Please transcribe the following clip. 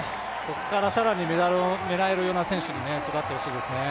ここから更にメダルを狙えるような選手に育ってほしいですよね。